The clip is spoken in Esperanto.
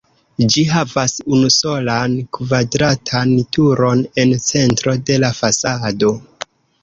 Ĝi havas unusolan kvadratan turon en centro de la fasado.